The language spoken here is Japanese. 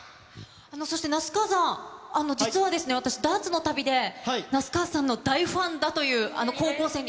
そして、那須川さん、実は私、ダーツの旅で、那須川さんの大ファンだという、あの高校生に。